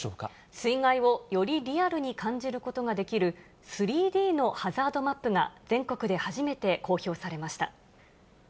水害をよりリアルに感じることができる、３Ｄのハザードマップが、全国で初めて公表されました。